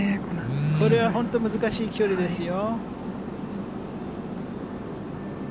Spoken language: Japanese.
これは本当、難しい距離ですよ。